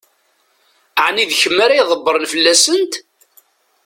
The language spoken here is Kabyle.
Ɛni d kemm ara ydebbṛen fell-asent?